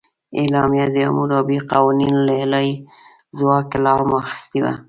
اعلامیه د حموربي قوانینو له الهي ځواک الهام اخیستی و.